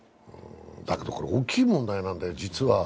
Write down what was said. だけどこれ大きい問題なんだよ、実は。